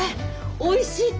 おいしいって。